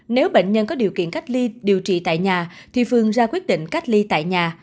nếu bệnh nhân có điều kiện cách ly điều trị tại nhà thì phương ra quyết định cách ly tại nhà